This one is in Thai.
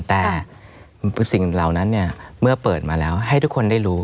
แต่สิ่งเหล่านั้นเนี่ยเมื่อเปิดมาแล้วให้ทุกคนได้รู้